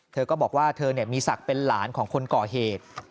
เธอก็บอกว่าเธอมีศักดิ์เป็นหลานของคนก่อเหตุ